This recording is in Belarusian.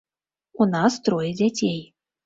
У нас трое дзяцей.